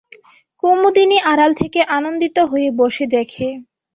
কুমুদিনী আড়াল থেকে আনন্দিত হয়ে বসে দেখে।